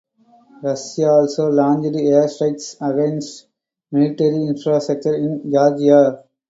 Russia also launched air strikes against military infrastructure in Georgia.